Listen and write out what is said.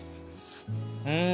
うん。